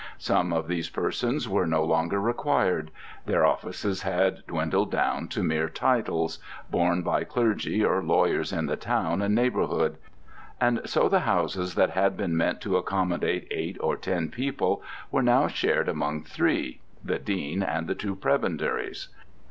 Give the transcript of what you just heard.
Some of these persons were no longer required: their offices had dwindled down to mere titles, borne by clergy or lawyers in the town and neighbourhood; and so the houses that had been meant to accommodate eight or ten people were now shared among three, the dean and the two prebendaries.